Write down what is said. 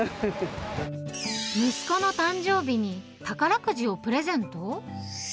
息子の誕生日に、宝くじをプレゼント？